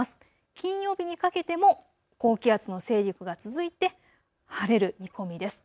金曜日にかけても高気圧の勢力が続いて晴れる見込みです。